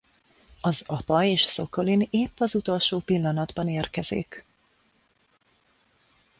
Az apa és Szokolin épp az utolsó pillanatban érkezik.